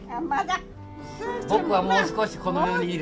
僕はもう少しこの世にいる。